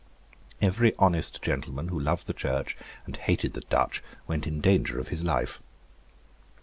Every honest gentleman who loved the Church and hated the Dutch went in danger of his life.